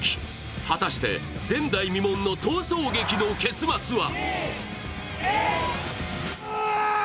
果たして前代未聞の逃走劇の結末は？